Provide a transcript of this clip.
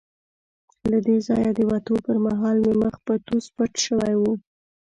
له دې ځایه د وتو پر مهال مې مخ په توس پټ شوی وو.